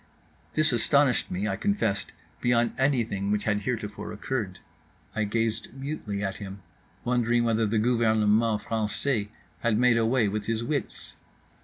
This astonished me, I confessed, beyond anything which had heretofore occurred. I gazed mutely at him, wondering whether the gouvernement français had made away with his wits.